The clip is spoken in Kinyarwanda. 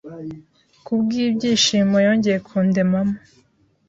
kubw’ ibyishimo yongeye kundemamo,